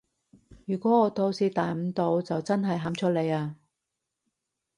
如果我到時彈唔到就真係喊出嚟啊